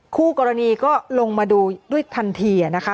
คู่กรณีก็ลงมาดูด้วยทันทีนะคะ